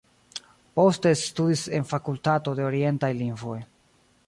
Poste studis en fakultato de orientaj lingvoj.